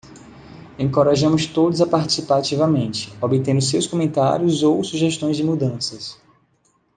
Encorajamos todos a participar ativamente, obtendo seus comentários ou sugestões de mudanças.